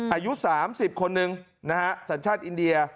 อายุ๓๐คนหนึ่งนะฮะสัญชาติอินเดีย